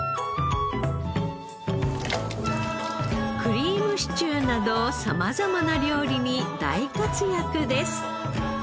クリームシチューなど様々な料理に大活躍です。